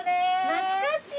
懐かしい！